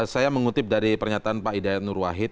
saya mengutip dari pernyataan pak hidayat nur wahid